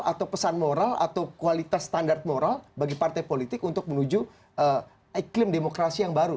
atau pesan moral atau kualitas standar moral bagi partai politik untuk menuju iklim demokrasi yang baru